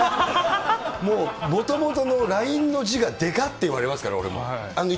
もう、もともとのＬＩＮＥの字がでかって言われますから、俺も。